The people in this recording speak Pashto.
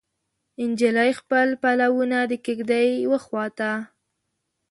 نجلۍ خپل پلونه د کیږدۍ وخواته